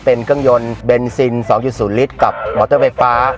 เป็นเครื่องยนต์เบนซิน๒๐ลิตรกับมอเตอร์ไฟฟ้า